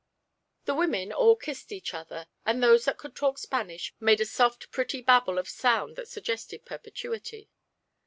The women all kissed each other, and those that could talk Spanish made a soft pretty babel of sound that suggested perpetuity.